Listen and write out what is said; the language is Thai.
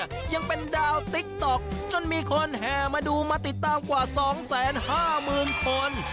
ยังเป็นดาวติ๊กต๊อกจนมีคนแห่มาดูมาติดตามกว่า๒๕๐๐๐คน